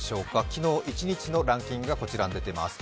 昨日一日のランキングがこちらに出ています。